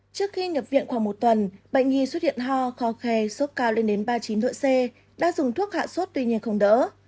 trước khi nhập viện khoảng một tuần bệnh nhi xuất hiện ho kho khe sốt cao lên đến ba mươi chín độ c đã dùng thuốc hạ sốt tuy nhiên không đỡ